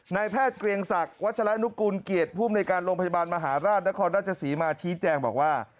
นายแพทย์เกรียงศักดิ์วัชละนุกูลเกียรติภูมิในการโรงพยาบาลมหาราชนครราชศรีมาชี้แจงบอกว่า